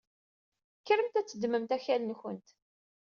Kkremt ad txedmemt akal-nkent!